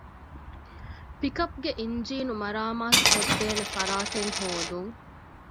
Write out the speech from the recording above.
ޕިކަޕްގެ އިންޖީނު މަރާމާތު ކޮށްދޭނެ ފަރާތެއް ހޯދުން